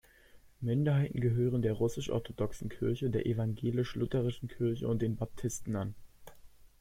Minderheiten gehören der russisch-orthodoxen Kirche, der evangelisch-lutherischen Kirche und den Baptisten an.